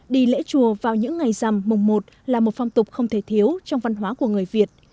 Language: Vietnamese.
đi lễ chùa vào những ngày rằm mùng một là một phong tục không thể thiếu trong văn hóa của người việt